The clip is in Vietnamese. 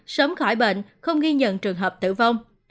sớm khỏi bệnh không ghi nhận trường hợp tử vong